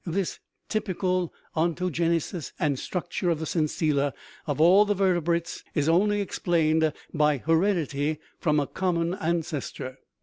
This typical ontogenesis and structure of the sensilla of all the vertebrates is only explained by heredity from a common ances tor.